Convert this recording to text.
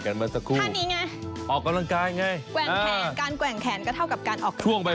สับหมูหรือยังไง